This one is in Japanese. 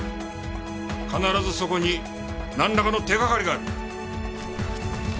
必ずそこになんらかの手がかりがある。